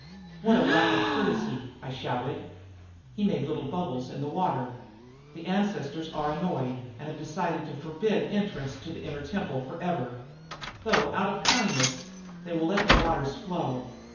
"What lack of courtesy!" I shouted. He made little bubbles in the water. "The ancestors are annoyed and have decided to forbid entrance to the Inner Temple forever; though, out of kindness, they will let the waters flow.